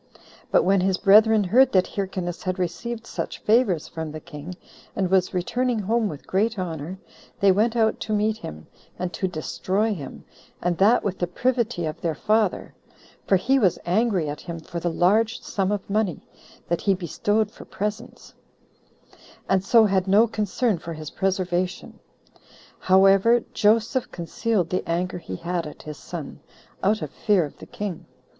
But when his brethren heard that Hyrcanus had received such favors from the king, and was returning home with great honor, they went out to meet him, and to destroy him, and that with the privity of their father; for he was angry at him for the [large] sum of money that he bestowed for presents, and so had no concern for his preservation. However, Joseph concealed the anger he had at his son, out of fear of the king.